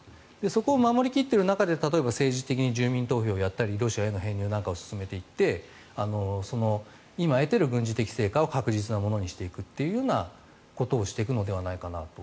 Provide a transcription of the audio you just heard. そこを守り切っている中で例えば政治的に住民投票を行ったりロシアへの編入なんかを進めていって今、得ている軍事的成果を確実なものにしていくっていうようなことをしていくのではないかなと。